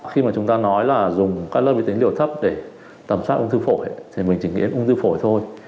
khi mà chúng ta nói là dùng các lớp vi tính liều thấp để tầm soát ung thư phổi thì mình chỉ nghĩ ung thư phổi thôi